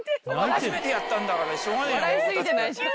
初めてやったんだからしょうがねえよ。